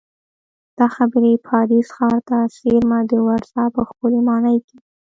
دا خبرې پاریس ښار ته څېرمه د ورسا په ښکلې ماڼۍ کې وې